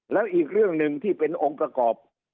แล้วอีกเรื่องหนึ่งที่เป็นองค์ประกอบ